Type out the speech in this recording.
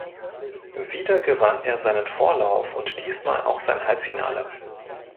Wieder gewann er seinen Vorlauf und diesmal auch sein Halbfinale.